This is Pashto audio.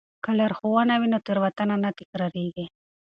که لارښوونه وي نو تېروتنه نه تکراریږي.